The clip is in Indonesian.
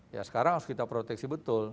ya sekarang harus kita proteksi betul